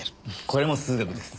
これも数学です。